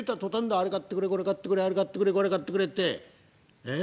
『あれ買ってくれこれ買ってくれあれ買ってくれこれ買ってくれ』ってええ？